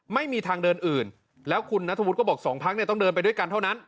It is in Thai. ไม่มีทางเดินอื่นแล้วคุณนัทธวุฒิก็บอกสองพักเนี่ยต้องเดินไปด้วยกันเท่านั้น